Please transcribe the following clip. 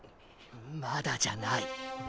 まだじゃない。